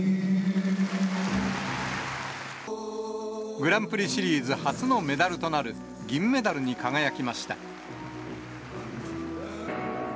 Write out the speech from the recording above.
グランプリシリーズ初のメダルとなる、銀メダルに輝きました。